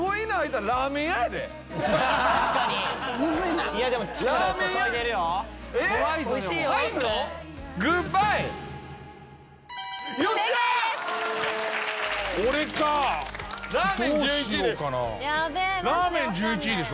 らーめん１１位でしょ？